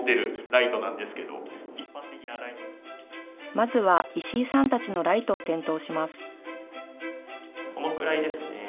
まずは石井さんたちのライトを点灯します。